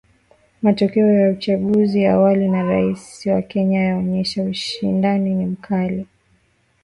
Matokeo ya uchaguzi awali wa rais wa Kenya yaonyesha ushindani ni mkali